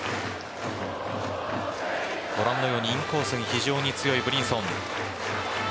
ご覧のようにインコースに非常に強いブリンソン。